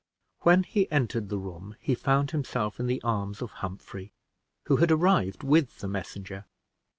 When he entered the room, he found himself in the arms of Humphrey, who had arrived with the messenger.